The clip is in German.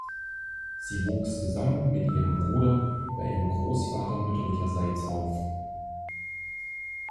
Sie wuchs zusammen mit ihrem Bruder bei ihrem Großvater mütterlicherseits auf.